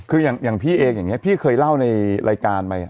คืออย่างพี่เองอย่างนี้พี่เคยเล่าในรายการไป